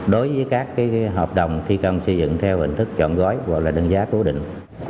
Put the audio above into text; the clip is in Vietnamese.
đối với các hợp đồng thi công xây dựng theo hình thức chọn gói gọi là đơn giá cố định